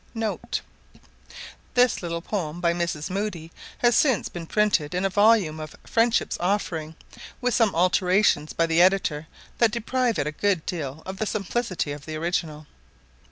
[* This little poem by Mrs. Moodie has since been printed in a volume of "Friendship's Offering," with some alterations by the editor that deprive it a good deal of the simplicity of the original.